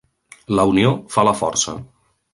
La unió fa la força